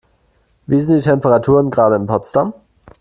Wie sind die Temperaturen gerade in Potsdam?